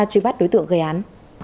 truy bắt đối tượng gây án